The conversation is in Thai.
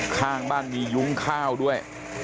ข้างบ้านมียุ้งข้าวด้วย